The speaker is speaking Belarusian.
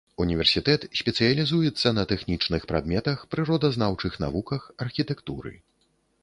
Універсітэт спецыялізуецца на тэхнічных прадметах, прыродазнаўчых навуках, архітэктуры.